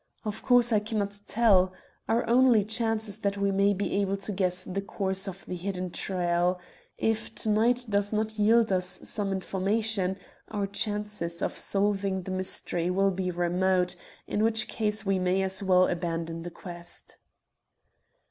"Of course I cannot tell. Our only chance is that we may be able to guess the course of the hidden trail. If to night does not yield us some information, our chances of solving the mystery will be remote, in which case we may as well abandon the quest."